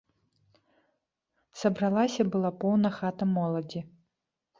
Сабралася была поўна хата моладзі.